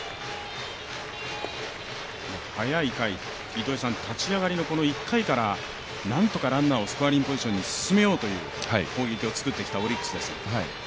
早い回、立ち上がりの１回からなんとかランナーをスコアリングポジションに進めようというオリックスです。